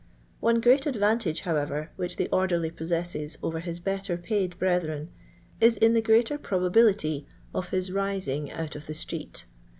One great advantage, however, which the orderly possesses over his ^tter paid brethren is in the greater probability of his "rising out of the street."